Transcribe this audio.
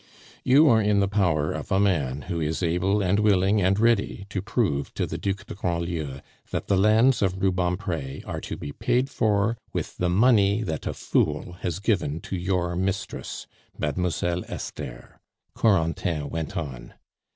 "You are in the power of a man who is able and willing and ready to prove to the Duc de Grandlieu that the lands of Rubempre are to be paid for with the money that a fool has given to your mistress, Mademoiselle Esther," Corentin went on.